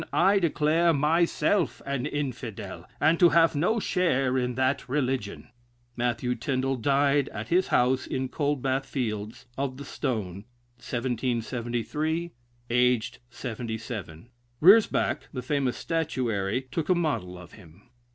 I declare myself an Infidel, and to have no share in that religion." Matthew Tindal died at his house in Coldbath Fields, of the stone, 1773, aged seventy seven. * Rysbrach, the famous statuary, took a model of him.